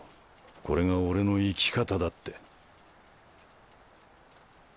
これが俺の生き方だって。